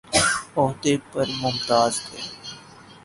عہدہ پر ممتاز تھے